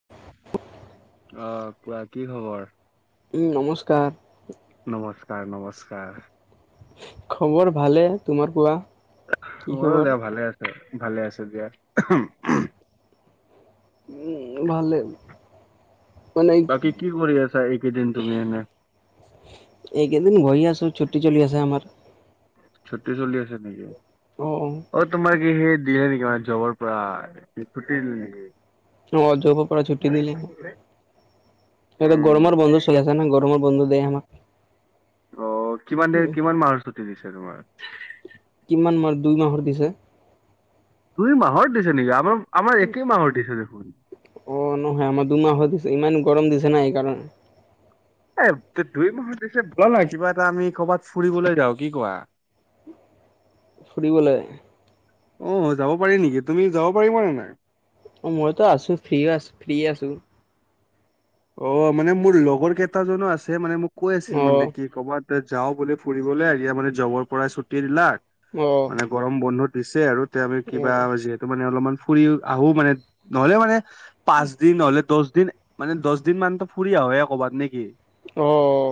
[unintelligible] অঁ, কোৱা কি খবৰ? উম, নমস্কাৰ নমস্কাৰ, নমস্কাৰ। খবৰ ভালে। তোমাৰ কোৱা? কি মোৰো খবৰ? দিয়া ভালে আছোঁ, ভালে আছোঁ দিয়া। [unintelligible] উম, ভালে। মানে বাকী কি কৰি আছা এইকেইদিন তুমি এনে? এইকেইদিন বহি আছোঁ ছুটী চলি আছে আমাৰ। ছুটী চলি আছে নেকি? অঁ, অঁ। অঁ, তোমাক কি সেই দিলে নেকি মানে, জবৰ পৰা ছুটী দিলে নেকি? অঁ, জবৰ পৰা ছুটী দিলে। এতিয়া উম। গৰমৰ বন্ধ চলি আছে। এতিয়া এনেই গৰমৰ বন্ধ দিয়ে আমাক। অঁ, কিমান দেৰি, উম, কিমান মাহৰ ছুটী দিছে তোমাৰ? কিমান মাহ? দুই মাহৰ দিছে। দুই মাহৰ দিছে নেকি? আমাৰ, আমাৰ একেই মাহৰ দিছে দেখোন। অঁ, নহয় আমাৰ দুমাহৰ দিছে। ইমান গৰম দিছে না এইকাৰণে। এ দু দুই মাহৰ দিছে বল না কিবা এটা আমি কৰবাত ফুৰিবলৈ যাওঁ। কি কোৱা? ফুৰিবলে? অঁ, যাব পাৰি নেকি? তুমি যাব পাৰিবা নে নাই? অ, মইতো আছো, ফ্ৰী আছ ফ্ৰী আছোঁ। অঁ, মানে মোৰ লগৰ কেইটাজনো আছে মানে, মোক কৈ আছিল মানে অ', কি ক'ৰবাতে যাওঁ বোলে ফুৰিবলে এতিয়া মানে জবৰ পৰা ছুটী দিলে। অঁহ্। গৰম বন্ধ দিছে আৰু এতিয়া আমি কিবা বাজেট টো মানে অলপমান ফুৰিও আহো মানে, নহলে মানে পাঁচ দিন নহলে, দশ দিন মানে দশ দিনমানটো ফুৰি আহোৱে ক'ৰবাত নেকি? অঁ,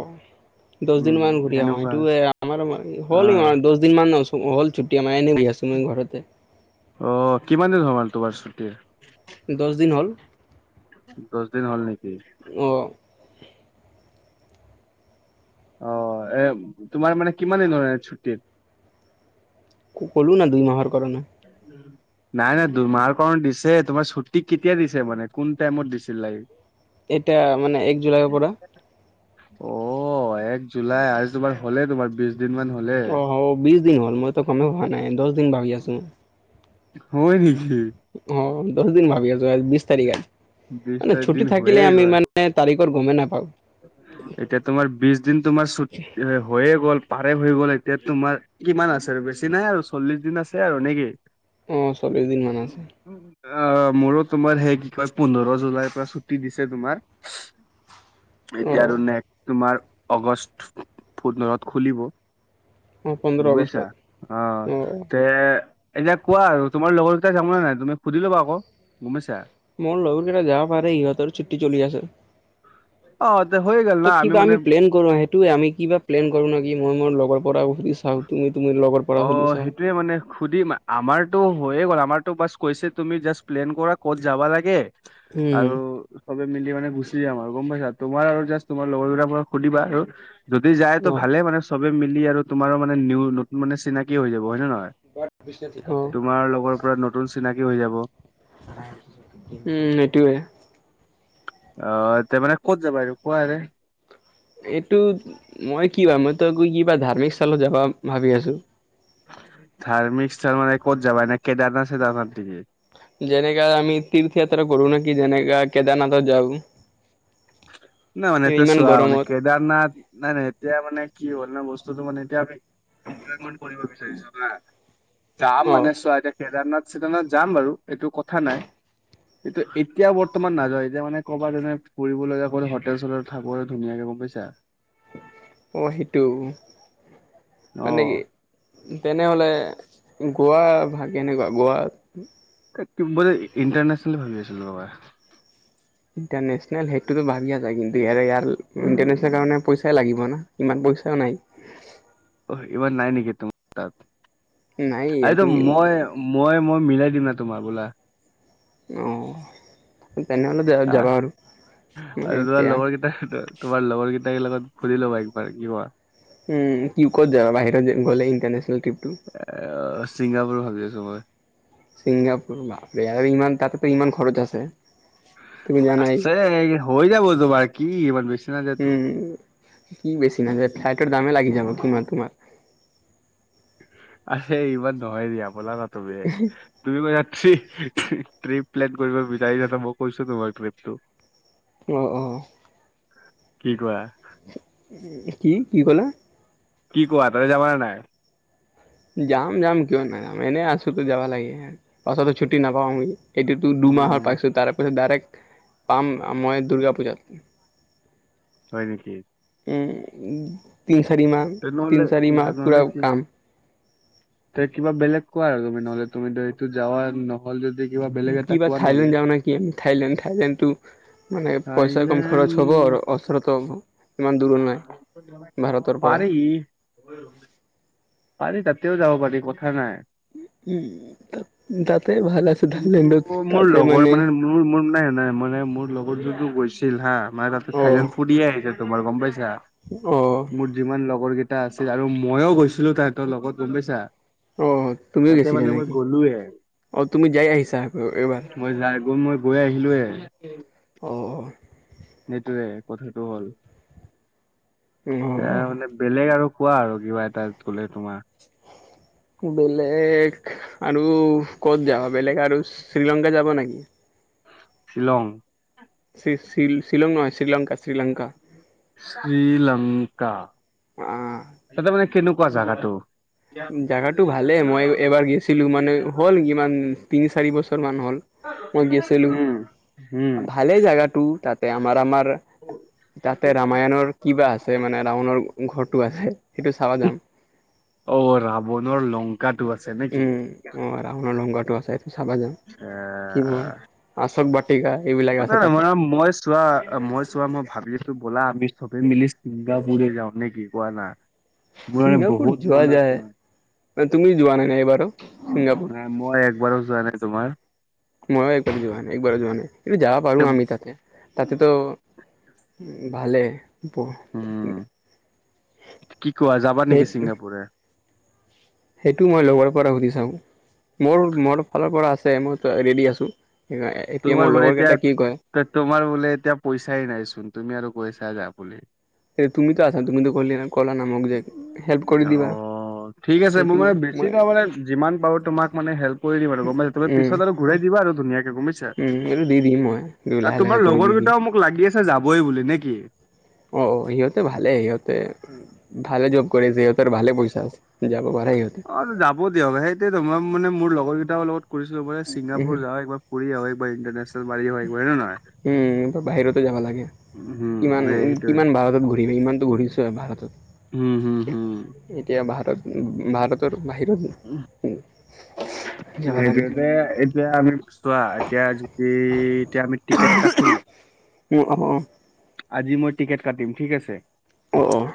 দশ দিনমান ঘুৰি আহোঁ। সেনেকুৱা সেইটো এ আমাৰ মানে হ'ল অ', সিমান দশ দিনমান ছ--হ'ল ছুটী আমাৰ এনেই দি আছো মই ঘৰতে। অঁ, কিমান দিন হ'ল মানে তোমাৰ ছুটী? দশ দিন হ'ল। দশ দিন হ'ল নেকি? অঁ। অঁ, এ তোমাৰ মানে কিমান দিন হ'ল এয়াত ছুটীত? ক ক'লো না দুই মাহৰ কাৰণে। [unintelligible] নাই নাই দুমাহৰ কাৰণে দিছে। তোমাৰ ছুটী কেতিয়া দিছে মানে, কোন টাইমত দিছিলে? এটা মানে, এক জুলাইৰ পৰা। অঁ, এক জুলাই আৰু তোমাৰ হ'লে তোমাৰ বিশ দিনমান হ- অঁ, অঁ বিশ দিন হ'ল মইতো গমেই পোৱা নাই, দশ দিন ভাবি আছোঁ। হয় নেকি? অ' দহ দিন ভাবি আছোঁ, আজি বিশ তাৰিখ, বিশ মানে তাৰিখ ছুটি দিন হৈয়ে থাকিলে আমি গ'ল ইমান নে তাৰিখৰ গমেই নাপাওঁ। এতিয়া তোমাৰ বিশ দিন তোমাৰ চু হৈয়ে গ'ল, পাৰে হৈ গ'ল এতিয়া তোমাৰ কিমান আছে আৰু বেছি নাই আৰু চল্লিশ দিন আছে আৰু নেকি? অ' চল্লিছ দিনমান আছে। অ' মোৰো তোমাৰ সেই কি কয় পোন্ধৰ জুলাইৰ পৰা ছুটি দিছে তোমাৰ। অ এতিয়া আৰু নেক্সট তোমাৰ অগষ্ট পুন্ধৰত খুলিব। অ পোন্ধৰ গবিছা, আগষ্টত অ' তে এতিয়া কোৱা আৰু তোমাৰ লগৰকেইটাই যাবনে নাই, তুমি সুধিল ল'বা আকৌ গম পাইছা? মোৰ লগৰকেইটা যাব পাৰে, সিহঁতৰো ছুটি চলি আছে। অ' তে হৈ গ'ল। না ত' কিবা মানে আমি প্লেন কৰোঁ, সেইটোয় আমি কিবা প্লেন কৰোঁ নেকি, মই মোৰ লগৰ পৰাও সুধি চাওঁ। তুমি তুমি অ লগৰপৰা সুধি চাবা। সেইটোয়ে মানে সুধিম আমাৰতো হৈয়ে গ'ল। আমাৰতো বা কৈছে তুমি জাষ্ট প্লেন কৰা ক'ত যাবা লাগে উম আৰু চবে মিলি মানে গুচি যাম আৰু গম পাইছা? তোমাৰ আৰু জাষ্ট তোমাৰ লগৰবাক সুধিবা আৰু। যদি যায় অ ত' ভালে মানে চবে মিলি আৰু তোমাৰো মানে নি নতুন মানে চিনাকি হৈ যাব হয় নে নহয়? অ তোমাৰ লগৰপৰা নতুন চিনাকী হৈ যাব। উম, এইটোয়ে। অ' তে, মানে ক'ত যাবা আৰু কোৱা ইয়াতে? এইটো মই কি বা মইতো একো কিবা ধাৰ্মিক স্থলত যাবা ভাবি আছোঁ। ধাৰ্মিক স্থান মানে ক'ত যাবা নে কেদাৰনাথ চেডাৰনাথ নেকি? যেনেকা আমি তীৰ্থযাত্ৰা কৰোঁ নেকি, যেনেকা কেদাৰনাথত যাওঁ। না মানে এই এতিয়া ইমান চোৱা মানে গৰমত কে দাৰনাথ নাই নাই এতিয়া মানে কি হ'ল ন' বস্তুটো মানে এতিয়া আমি এনজয়মেট কৰিব বিচাৰিছোঁ না, যাম অ মানে চোৱা কেদাৰনাথ চেদাৰনাথ যাম বাৰু এইটো কথা নাই। কিন্তু এতিয়া বৰ্তমান নাযাওঁ, এতিয়া মানে ক'বা যেনে ফুৰিবলগীয়া ক হোটেল চোটেল থাকোঁ ধুনীয়াকে গম পাইছা? অ' সেইটো, অ মানে কি তেনেহ'লে গোৱা ভাগ কেনেকুৱা গোৱা? [unintelligible] বোলে ইণ্টাৰনেশচনেল ভাবি আছিলোঁ ৰ'বা। ইণ্টাৰনেশ্যনেল সেইটোতো ভাবি আছা কিন্তু ইয়াৰে ইয়াৰ ইণ্টাৰনেশ্যনেল কাৰণে পইচাই লাগিব না। ইমান পইচাও নাই। অ' ইমান নাই নেকি তোমাৰ নাই তাত? [unintelligible] তুমি মই মই মই মিলাই দিম না তোমাৰ বোলা। অ' তেনেহ'লে হা যাবা পাৰোঁ ম আৰু এতিয়া। [unintelligible] তোমাৰ লগৰ কেইটাকেইটাই লগত ঘুৰি ল'বা একবাৰ কি কোৱা? উম, কিউকত যাবা, বাহিৰত গ'লে ইণ্টাৰনেশ্যনেল ট্ৰিপটো। এ, ছিংগাপুৰ ভাবি আছোঁ মই। ছিংগাপুৰ বাপৰে আৰু ইমান তাতেতো ইমান খৰচ আছে। তুমি জানাই আছে, হৈ যাব তোমাৰ, কি ইমান বেছি নাযায়তো উম, কি বেছি নাযায়, ফ্লাইটৰ দামেই লাগি যাব কিমান তোমাৰ। আ ইমান [inaudible] বল না তুমি তুমি কৈছা ট্ৰিপ প্লেন কৰিব বিচাৰিছা মই কৈছো তোমাৰ ট্ৰিপটো অঁ অঁ কি কোৱা কি কি ক'লা কি কোৱা তাতে যাবা নে নাই যাম যাম কিয় নাযাম এনেই আছোঁতো যাব লাগে পাছতো ছুটি নাপাওঁ আমি এইটোতো দুমাহৰ উম পাছত তাৰপিছত ডাইৰেক্ট পাম মই দুৰ্গা পূজাত হয় নেকি তিনি চাৰি মাহ তেনেহ'লে তিনি চাৰিমাহ পূৰা তেনেহ'লে কি কাম তে কিবা বেলেগ কোৱা আৰু তুমি নহ'লে তুমিতো এইটো যাৱা ন নই যদি কিবা বেলেগ এটা কিবা কোৱা নহ'লে থাইলেণ্ড যাওঁ নে কি থাইলেণ্ড থাইলেণ্ডতটো মানে পইচা কম খৰচ হব আৰু থাইলেণ্ড অচৰা হব পৰা পাৰি পাৰি তাতেও যাব পাৰি কথা নাই উম তাতে ভাল আছে কিন্তু থাইলেণ্ডত মোৰ তাতে লগৰ মানে মোৰ মোৰ মানে নে নে মানে মোৰ লগৰ জনটো গৈছিল হা মানে তাতে অ থাইলেণ্ড ফুৰিয়ে আহিছে দুবাৰ গম পাইছা অ মোৰ যিমান লগৰ কেইটা আছিল আৰু মইও গৈছিলো তাহাঁতৰ লগত গম পাইছা অ তুমিও তাতে গৈছিলা মানে মই নেকি গ'লোয়ে অ তুমি যাই আহিছা আকৌ এইবাৰ মই যাই গৈ মই গৈ আহিলোৱে অহ সেইটোৱে কথাটো হ'ল এ অ', মানে বেলেগ আৰু কোৱা আৰু কিবা এটা গ'লে তোমাৰ বেলেগ আৰু ক'ত যাবা বেলেগ আৰু শ্ৰীলংকা যাবা নেকি শ্বিলং শ শ্বিলং নহয় শ্ৰীলংকা শ্ৰীলংকা শ্ৰীলংকা অ'। তাতে মানে কেনেকুৱা জেগাটো [inaudible] জাগাটো ভালে মই এবাৰ গৈছিলো মানে হ'ল কিমান তিনি চাৰি বছৰ মান হ'ল। মই গৈছিলো উম উম ভালেই জেগাটো তাতে আমাৰ আমাৰ তাতে ৰামায়ণৰ কিবা আছে মানে ৰাৱণৰ ঘৰটো আছে সেইটো চাব যাম অ ৰাৱণৰ লংকাটো আছে নেকি উম, অ ৰাৱণৰ লংকাটো আছে এইটো চাব যাম এ কি ব'ল [unintelligible] কা [inaudible] এইবিলাক তাতে মানে মই চোৱা মই চোৱা মই ভাবিছো ব'লা আমি চবে মিলি ছিংগাপুৰে যাওঁ নেকি কোৱা না মোৰ ছিংগাপুৰ বহুত যোৱা মন যায়। আছে তুমি যোৱা নাই এবাৰো ছিংগাপুৰ নাই মই একবাৰো যোৱা নাই তোমাৰ ময়ো একবাৰো যোৱা নাই একবাৰো যোৱা নাই কিন্তু যাব তে পাৰো আমি তাতে তাতে ত' ভালে ব উম কি কোৱা যাবা [inaudible] সে নেকি ছিংগাপুৰে সেইটো মই লগৰ পৰা সুধি চাওঁ মোৰ, মোৰ ফালৰ পৰা আছে মই ৰেডি আছোঁ। এতিয়া মোৰ লগৰ কেইটা কি কয়। তে তোমাৰ বোলে এতিয়া পইচাই নাইচোন তুমি আৰু কৈছা যাম বুলি। তুমিতো আছা তুমিতো ক'লিয়ে না ক'লা না মোক যে হেল্প কৰি দিবা। অ', ঠিক আছে মই সেইটো মানে বেছি মই তাৰ মানে যিমান পাৰো তোমাক মানে হেল্প কৰি দিম আৰু গ'ম পাইছা। উম পিছত আৰু ঘূৰাই দিবা আৰু ধুনীয়াকে মোক। উম এইটো দি দিম মই কিন্তু লাহে, লাহে তোমাৰ কৰি লগৰ দি দিম। কেইটাও মোক লাগি আছে যাবই বুলি নে কি। অ', সিহঁতে ভালেই সিহঁতে ভালে জব কৰে যে সিহঁতৰ ভালে পইচা আছে যাব পাৰে সিহঁতে। অ', যাব দিয়ক সেইটোৱেটো মই মানে মোৰ লগৰ কেইটাৰ লগত কৰিছিলোঁ মানে উহু, ছিংগাপুৰ যাওঁ একবাৰ ফূৰি আহো একবাৰ ইণ্টাৰনেশ্বনেল [unintelligible] আহিম হয় নে নহয়। উম বাহিৰতে যাবা লাগে। উম, কিমান সেই উ সেইটোৱে। কিমান ভাৰতত ঘূৰিবি ইমানতো ঘূৰিছোৱে ভাৰতত। হুম, হুম। এতিয়া ভাৰতত উ, উ ভাৰতৰ বাহিৰত [unintelligible] যাব লাগে এতিয়া আমি চোৱা এতিয়া যদি এতিয়া আমি টিকেট কাটো অহ অ', অ'। আজি মই টিকেট কাটিম ঠিক আছে। অ', অ',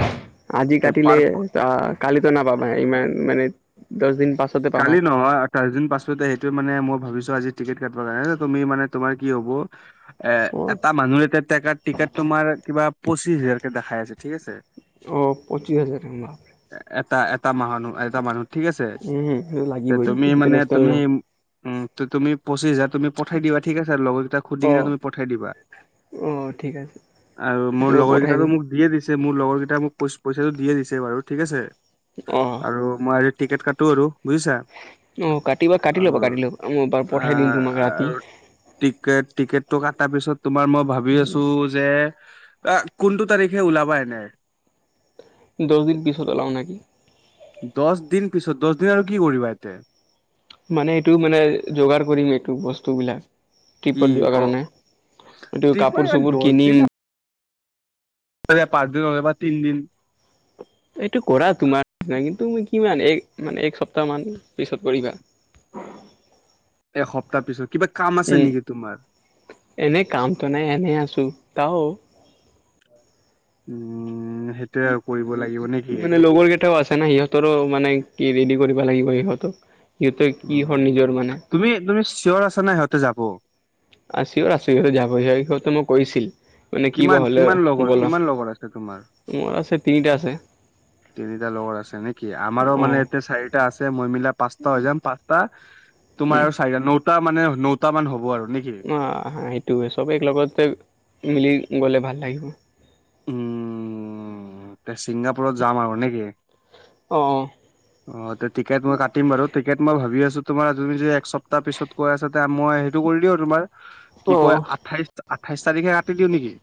আজি তে কাটিলে পাৰ অ', কালিতো নাপাবাই ইমান মানে দহ দিন পাছত কালি নহয় চাৰিদিন পাছতে সেইটোৱে মানে মই ভাবিছোঁ আজি টিকট কাটব লাগে এনে তুমি মানে তোমাৰ কি হ'ব এ অঁ এটা মানুহ এতিয়া টেকট টিকট তোমাৰ কিবা পঁচিছ হাজাৰকে দেখাই আছে ঠিক আছে। অ', পঁচিছ হাজাৰ এটা এটা মাহানুহ এটা মানুহ ঠিক আছে উম, সেইটো লাগিবই তুমি এইটো মানে ইণ্টাৰনেশ্যনেল তুমি ন উম তু তুমি পঁচিছ হাজাৰ তুমি পঠাই দিবা ঠিক আছে লগৰকেইটা সুধিকিনে অঁ তুমি পঠাই দিবা। অঁ ঠিক আছে আৰু সেইটো মোৰ মই লগৰ পঠাই কেইটাটো দিম মোক দিয়ে দি ছে মোৰ লগৰ কেইটাই মোক পইচাটো দিয়ে দিছে বাৰু ঠিক আছে অঁ আৰু মই টিকেট কাটো আৰু বুজিছা। অ', কাটিবা কাটি ল'বা আৰু কাটি ল'বা মই বাৰু পঠাই দিম আহ তোমাক ৰাতি। আৰু টিকেট টিকেটটো কটাৰ পিছত তোমাৰ মই ভাবি আছোঁ যে আ কোনটো তাৰিখে ওলাবা এনে। দহদিন পিছত ওলাও নাই। দচ দিন পিছত দচ দিন আৰু কি কৰিবা ইয়াতে। মানে এইটো মানে যোগাৰ কৰিম এইটো বস্তুবিলাক কি টিপত যোৱাৰ অ কাৰণে এইটো ট্ৰিপৰ কাপোৰ চাপোৰ কিনিম। য়া পাঁচ দিন বা তিন দিন এইটো কৰা তোমাৰ চিনা কিন্তু কিমান এক মানে এক সপ্তাহমান পিছত কৰিবা। এসপ্তাহ পিছত কিবা কাম আছে উম নেকি তোমাৰ। এনে কামটো নাই এনেই আছোঁ তাও উম হেইট উ মানে লগৰ কেইটাও আছে না সিহঁত তৰো মানে কি ৰেডি কৰিব লাগিব সিহঁতো সিহঁতৰ কি হল উম নিজৰ মানে। তুমি তুমি চিয়'ৰ আছা নাই সিহঁতে যাব। আ চিয়'ৰ আছো যাবই সিহঁতে মোক কৈছিল। মানে কি বা কিমান হ'লে কিমান লগৰ ব'লা কিমান লগৰ আছে তোমাৰ? মোৰ আছে তিনিটা আছে। তিনিটা লগৰ আছে নেকি আমাৰো অ মানে এতিয়া চাৰি টা আছে মই মিলাই পাঁচটা হৈ যাম পাঁচটা উম তোমাৰ আৰু চাৰিটা ন টা মানে নটা মান হ'ব আৰু নেকি। অঁ' হয় সেইটোৱে চবে একেলগতে মিলি গ'লে ভাল লাগিব। উম। উম এতিয়া ছিংগাপুৰত যাম আৰু নেকি। অঁ' অঁ' ত টিকট মই কাটিম বাৰু টিকট মই ভাবি আছো তোমাৰ তুমি যে এক সপ্তাহ পিছত কৈ আছা। তা মই সেইটো কৰি দিওঁ তোমাৰ কি অ কয় আঠাইছ আঠাইছ তাৰিখে কাটি দিওঁ নেকি।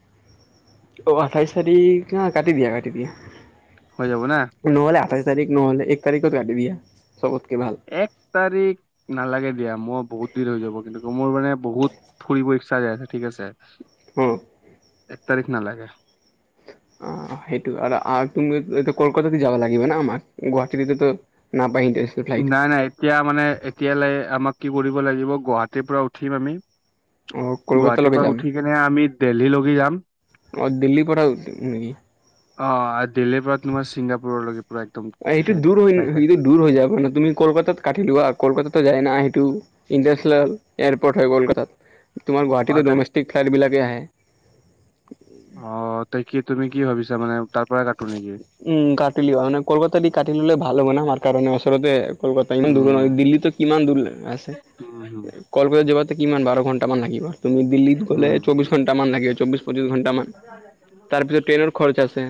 অ আঠাইছ তাৰিখ হা কাটি দিয়া কাটি দিয়া। হয় যাব না। নহ'লে আঠাইছ তাৰিখ নহ'লে এক তাৰিখত কাটি দিয়া চবতকে ভাল। এক তাৰিখ নালাগে দিয়া মোৰ বহুত দেৰি হৈ যাব কিন্তু মোৰ মানে বহুত ফুৰিব ইচ্ছা যাই আছে ঠিক আছে। অঁ' এক তাৰিখ নালাগে। অ সেইটো আৰু তুমি কলকাতাতে যাবা লাগিব ন আমাৰ গুৱাহাটীতে তো। নাপাই ইন্টাৰেষ্ট। নাই নাই এতিয়া মানে এতিয়ালৈ আমাক কি কৰিব লাগিব গুৱাহাটীৰ পৰা উঠিম আমি। অ গুৱাহাটীৰ কলকাতালৈকে পৰা যাম উঠি কেনে আমি দেলহী লগি যাম। অঁ দিল্লীৰ পৰা উঠিম নেকি? অঁ' দিল্লীৰ পৰা তোমাৰ ছিংগাপুৰলৈকে পুৰা একদম সেইটো হেৰিত দূৰ হৈ ফ্লাইত। সেইটো দূৰ হৈ যাব না তুমি কলকাতা কাটি লোৱা কলকাতো যায় না সেইটো। ইণ্টাৰনেশ্যনেল এয়াৰপৰ্ট হয় কলকাতাত তোমাৰ অ গুৱাহাটীতো তাক ডমেষ্টিক ফ্লাইটবিলাকে আহে। অঁ' তই কি তুমি কি ভাবিছা মানে তাৰ পৰাই কাটো নেকি? উম কাটি লিব মানে কলকাতা দি কাটি ললে ভাল হ'ব না আমাৰ কাৰণে আচলতে কলকাতা ইমান দূৰৰ উম নহয় দিল্লীতো কিমান দূৰ আছে উম কলকতা যাবা কিমান বাৰ ঘণ্টা। ন্টা মান লাগিব তুমি দিল্লীত গলে উম চৌবিশ ঘণ্টামান লাগিব চৌবিশ পঁচিছ ঘণ্টামান। তাৰপিছত ট্ৰেইনৰ খৰচ আছে।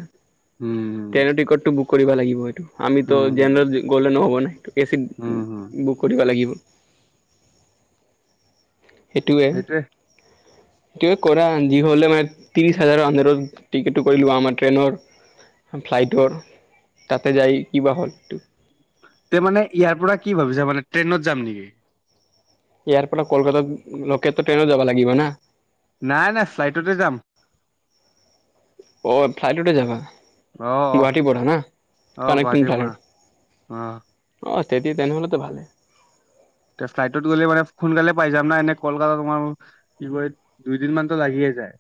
উম। ট্ৰেইনৰ টিকটটো বুক কৰিব লাগিব এইটো আমিতো উম হুম জেনেৰেল গ'লে নহ'ব না এইটো। এ উম হম চি বুক কৰিব লাগিব। সেইটোৱে। তেওঁ কৰাই আন যি হ'লে মানে ত্ৰিছ হাজাৰৰ আন্দাৰত টিকেতটো কৰিলোৱা আমাৰ ট্ৰেইনৰ। ফ্লাইটৰ তাতে যায় কিবা হ'ল এইটো। তে মানে ইয়াৰ পৰা কি ভাবিছা মানে ট্ৰেইনত যাম নেকি? ইয়াৰ পৰা কলকাতা লকেতো ট্ৰেনত যাবা লাগিব না। নাই নাই ফ্লাইটতে যাম। অ ফ্লাইটতে যাবা। অ অ গুৱাহাটী পৰা না অ কানেক্টিং গুৱাহাটীৰ পৰা অ ফ্লাইটত। অ তেতি তেনেহ'লেতো ভালে। তে ফ্লাইটত গ'লে মানে সোনকালে পাই যাম না, এনে কলকাতা তোমাৰ কি কয় দুইদিন মানতো লাগিয়ে যায়।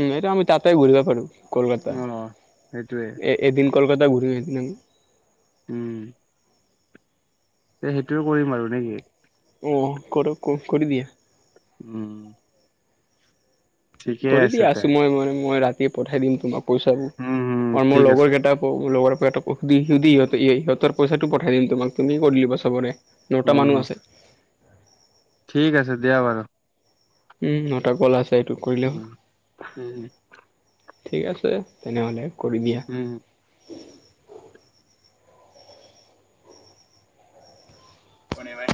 উম, এইটো আমি তাতেই ঘূৰিব পাৰো কলকাতা। অ', সেইটোয়ে এ এ এদিন কলকাতা ঘূৰিম এদিন আমি উম। তে সেইটোৱে কৰিম আৰু নেকি? অ কৰ কৰি দিয়া। উম ঠিকে কৰি দিয়া আছে তে আছোঁ মই মই মই ৰাতিয়ে পঠাই দিম তোমাক পইচাবোৰ। উম, উম, আৰু মোৰ ঠিক আছে লগৰ কেইটা কওঁ লগৰকেইটা অ সি সহঁত সিহঁতৰব পইচাটো পঠাই দিম তোমাক, তুমি কৰি তুলিবা চবৰে নটা উম, মানুহ উম, আছে। ঠিক আছে দিয়া বাৰু। উম নটা গল আছে, এইটো কৰিলে হ'ল। উম, উম, ঠিক আছে, তেনেহ'লে কৰি দিয়া। উম কনে ভাই